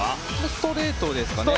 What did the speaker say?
ストレートですからね。